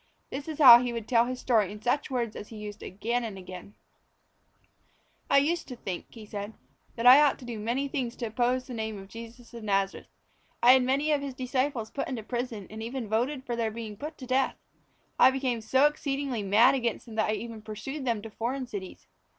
This is how he would tell the story in such words as he used again and again: "I used to think," he said, "that I ought to do many things to oppose the name of Jesus of Nazareth. I had many of His disciples put into prison and even voted for their being put to death. I became so exceedingly mad against them that I even pursued them to foreign cities.